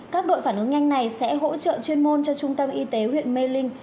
các đội phản ứng nhanh này sẽ hỗ trợ chuyên môn cho trung tâm y tế huyện mê linh